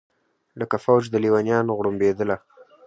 لکه فوج د لېونیانو غړومبېدله